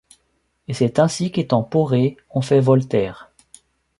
Et c’est ainsi qu’étant Porée, on fait Voltaire.